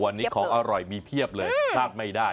วันนี้ของอร่อยมีเพียบเลยพลาดไม่ได้